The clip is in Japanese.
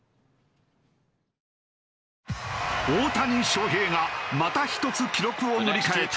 大谷翔平がまた一つ記録を塗り替えた！